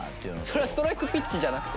それはストライクピッチじゃなくて？